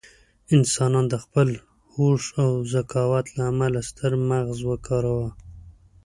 انسانان د خپل هوښ او ذکاوت له امله ستر مغز وکاروه.